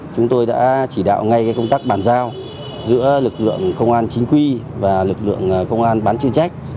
chúng tôi đã chỉ đạo ngay công tác bàn giao giữa lực lượng công an chính quy và lực lượng công an bán chuyên trách